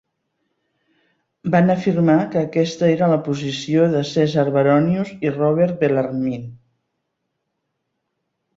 Van afirmar que aquesta era la posició de Caesar Baronius i Robert Bellarmine.